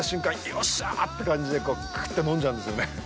よっしゃーって感じでクーっと飲んじゃうんですよね。